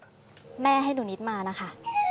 ชั้นไม่ให้หนูนิดมานะค่ะ